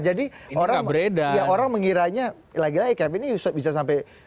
jadi orang mengiranya lagi lagi captain ini bisa sampai